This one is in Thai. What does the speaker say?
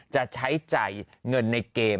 จะใช้จ่ายเงินในเกม